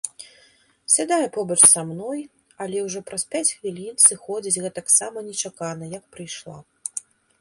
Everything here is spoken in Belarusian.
Сядае побач са мной, але ўжо праз пяць хвілін сыходзіць гэтаксама нечакана, як прыйшла.